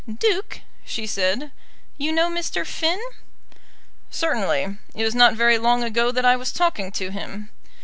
"Duke," she said, "you know Mr. Finn?" "Certainly. It was not very long ago that I was talking to him."